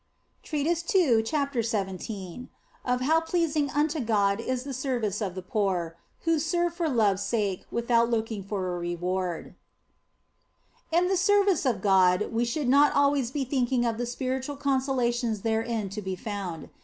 OF FOLIGNO 89 CHAPTER XVII OF HOW PLEASING UNTO GOD IS THE SERVICE OF THE POOR, WHO SERVE FOR LOVE S SAKE WITHOUT LOOKING FOR A REWARD IN the service of God we should not always be thinking of the spiritual consolations therein to be found.